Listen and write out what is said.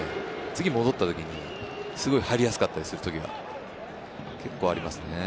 次、戻った時にすごい入りやすかったりする時が結構、ありますね。